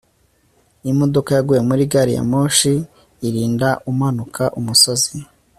imodoka yaguye muri gari ya moshi irinda umanuka umusozi